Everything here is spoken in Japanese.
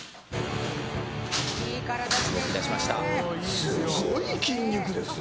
すごい筋肉ですね。